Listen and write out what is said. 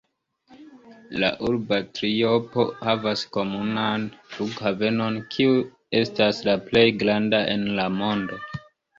La urba triopo havas komunan flughavenon, kiu estas la plej granda en la mondo.